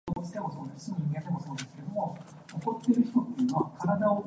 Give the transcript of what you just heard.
經過人嘅思想考慮